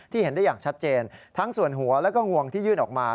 เห็นได้อย่างชัดเจนทั้งส่วนหัวแล้วก็งวงที่ยื่นออกมา